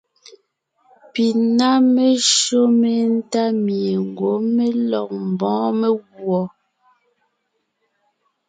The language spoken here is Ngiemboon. Pi ná meshÿó méntá mie ngwɔ́ mé lɔg ḿbɔ́ɔn meguɔ.